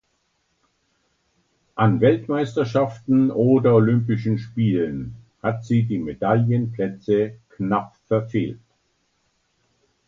An Weltmeisterschaften oder Olympischen Spielen hat sie die Medaillenplätze knapp verfehlt.